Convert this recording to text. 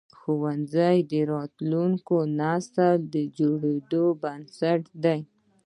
ښوونځي د راتلونکي نسل د جوړېدو بنسټ دي.